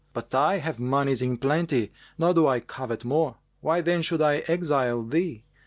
But I have monies in plenty nor do I covet more: why then should I exile thee?